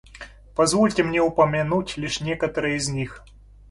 Позвольте мне упомянуть лишь некоторые из них.